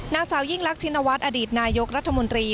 นางสาวยิ่งรักชินวัฒน์อดีตนายกรัฐมนตรี